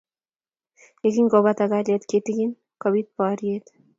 Yekingopata kalyet kitikin, kobit poryet.